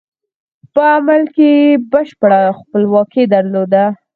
په عمل کې یې بشپړه خپلواکي درلوده.